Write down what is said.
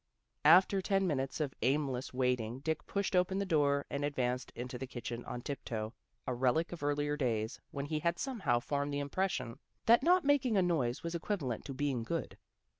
After ten minutes of aimless waiting Dick pushed open the door and advanced into the kitchen on tiptoe, a relic of earlier days, when he had somehow formed the impression that not making a noise was equivalent to being good.